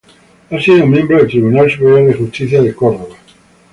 Ha sido miembro del Tribunal Superior de Justicia de Córdoba.